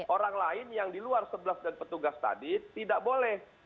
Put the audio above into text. orang lain yang di luar sebelah dan petugas tadi tidak boleh